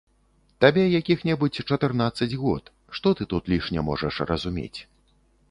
Табе якіх-небудзь чатырнаццаць год, што ты тут лішне можаш разумець.